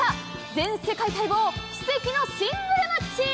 全世界待望奇跡のシングルマッチ！